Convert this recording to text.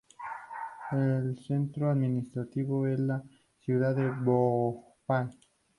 El centro administrativo es la ciudad de Bhopal.